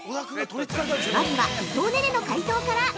まずは、伊藤寧々の解答から。